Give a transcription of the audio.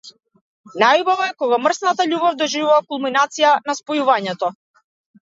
Најубаво е кога мрсната љубов доживува кулминација на спојување.